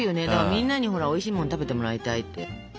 みんなにほらおいしいもん食べてもらいたいって思うさ